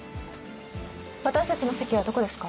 私たちの席はどこですか？